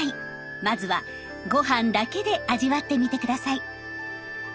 まずはご飯だけで味わってみて下さい。